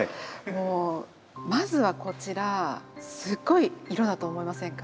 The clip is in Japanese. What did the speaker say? もうまずはこちらすごい色だと思いませんか？